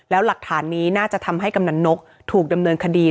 แล้วหลักฐานนี้น่าจะทำให้กำนันนกถูกดำเนินคดี